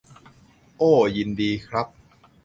โอ้ ยินดีครับ